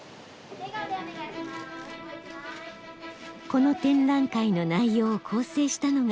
この展覧会の内容を構成したのが宮崎吾朗さんです。